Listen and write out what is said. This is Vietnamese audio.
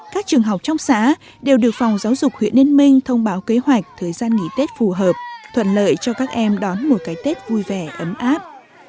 các trường học trong xã đều được phòng giáo dục huyện yên minh thông báo kế hoạch thời gian nghỉ tết phù hợp thuận lợi cho các em đón một cái tết vui vẻ ấm áp